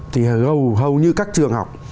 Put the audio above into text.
thì hầu như các trường học